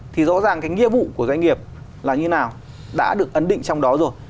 thì rõ ràng cái nghĩa vụ của doanh nghiệp là như nào đã được ấn định trong đó rồi